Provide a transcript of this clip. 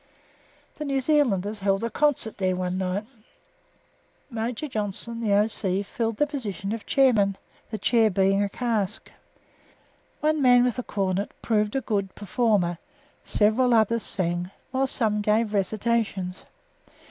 The New Zealanders held a concert here one night. Major Johnston, the O.C., filled the position of chairman, the chair being a cask. One man with a cornet proved a good performer; several others sang, while some gave recitations.